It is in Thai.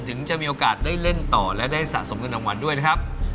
ถึงจะมีโอกาสได้เล่นต่อและได้สะสมเงินรางวัลด้วยนะครับ